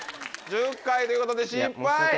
１０回ということで失敗！